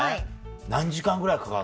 何時間ぐらいかかるの？